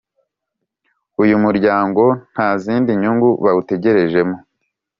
Uyu muryango nta zindi nyungu bawutegerejemo